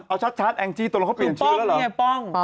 เอาชัดแองจีตัวละเขาเปลี่ยนชื่อแล้วเหรอ